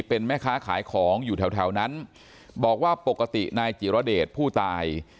เป็นแม่ค้าขายของอยู่แถวแถวนั้นบอกว่าปกตินายจิรเดชผู้ตาย